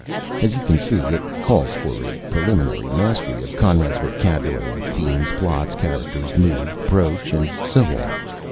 As you can see, it calls for a preliminary mastery of Conrad's vocabulary, themes, plots, characters, mood, approach, and so on.